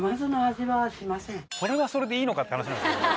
それはそれでいいのかって話なんですよ。